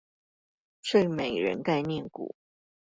睡美人概念股